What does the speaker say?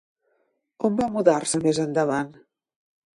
On va mudar-se més endavant?